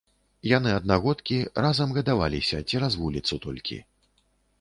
Яны аднагодкі, разам гадаваліся, цераз вуліцу толькі.